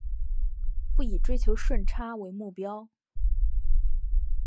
不以追求顺差为目标